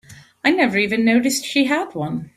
I never even noticed she had one.